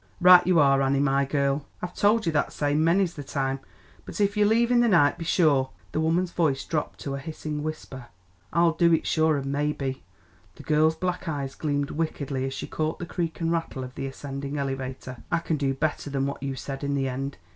"Right you are, Annie, my girl, I've towld you that same many's the time. But if you're leavin' the night be sure " The woman's voice dropped to a hissing whisper. "I'll do it sure, and maybe " The girl's black eyes gleamed wickedly as she caught the creak and rattle of the ascending elevator " I can do better than what you said in the end.